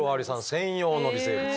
専用の微生物。